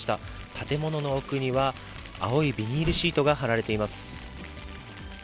建物の奥には、青いビニールシートが張られています。